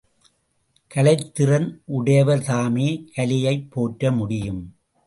கலைத்திறன் உடையவர்தாமே கலையைப் போற்ற முடியும்?